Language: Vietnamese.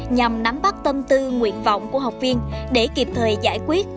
nhằm nắm bắt tâm tư nguyện vọng của học viên để kịp thời giải quyết